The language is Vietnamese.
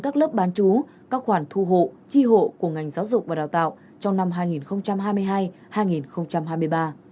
các khoản thu hộ chi hộ của ngành giáo dục và đào tạo trong năm hai nghìn hai mươi hai hai nghìn hai mươi ba